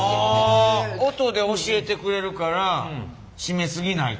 音で教えてくれるから締め過ぎないと。